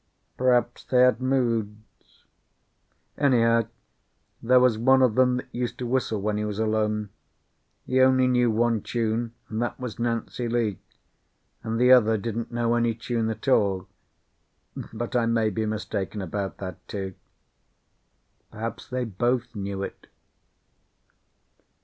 Perhaps they had moods. Anyhow, there was one of them that used to whistle when he was alone. He only knew one tune, and that was "Nancy Lee," and the other didn't know any tune at all; but I may be mistaken about that, too. Perhaps they both knew it.